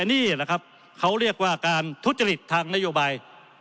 นี่แหละครับเขาเรียกว่าการทุจริตทางนโยบาย